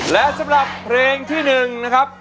และสำหรับเพลงที่๑นะครับ